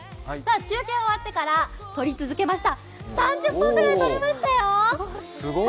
中継終わってから採り続けました。